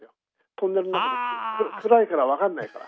トンネルの中暗いから分かんないから。